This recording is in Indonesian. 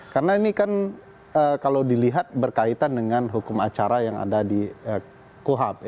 karena ini kan kalau dilihat berkaitan dengan hukum acara yang ada di kuhap ya